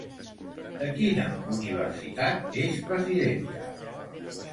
De quina universitat és presidenta?